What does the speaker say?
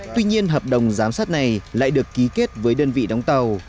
tuy nhiên hợp đồng giám sát này lại được ký kết với đơn vị đóng tàu